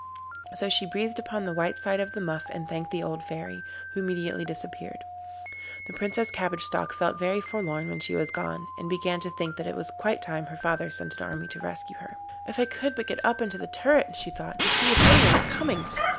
And so she breathed upon the white side of the muff and thanked the old fairy, who immediately disappeared. The Princess Cabbage Stalk felt very forlorn when she was gone, and began to think that it was quite time her father sent an army to rescue her. 'If I could but get up into the turret,' she thought, 'to see if any one is coming.